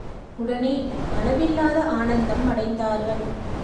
உடனே, அளவில்லாத ஆனந்தம் அடைந்தார்கள்.